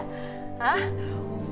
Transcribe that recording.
atau lagi bohongin bunda